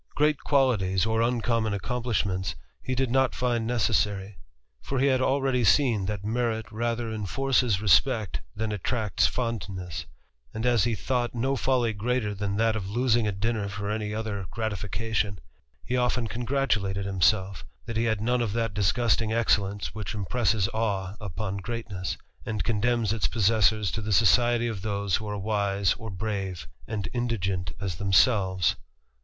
Great qualities, or uncommon plishments, he did not find necessary ; for he had aire seen that merit rather enforces respect than attracn Cs fondness ; and as he thought no folly greater than that ^oi losing a dinner for any other gratification, he oftc^n congratulated himself, that he had none of that disgustiMng excellence which impresses awe upon greatness, and co«3 demns its possessors to the society of those who are wise or brave, and indigent as themselves.